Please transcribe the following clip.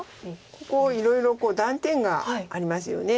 ここいろいろ断点がありますよね。